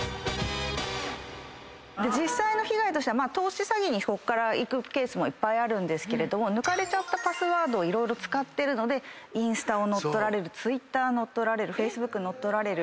実際の被害としては投資詐欺に行くケースもいっぱいあるけど抜かれたパスワード色々使ってるのでインスタを乗っ取られるＴｗｉｔｔｅｒＦａｃｅｂｏｏｋ乗っ取られる。